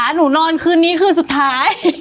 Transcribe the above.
หนูนอนคืนนี้คืนสุดท้าย